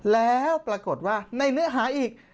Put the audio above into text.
แล้วปรากฏว่าในเนื้อหาอีก